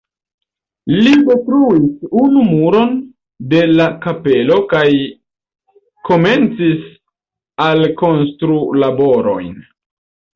Li detruis unu muron de la kapelo kaj komencis alkonstrulaborojn.